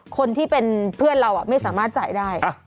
คนที่เป็นเพื่อนเราไม่สามารถจ่ายได้